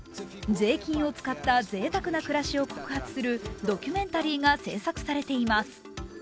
税金を使ったぜいたくな暮らしを告発するドキュメンタリーが制作されています。